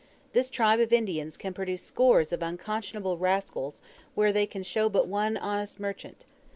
This tribe of Indians can produce scores of unconscionable rascals where they can show but one honest merchant.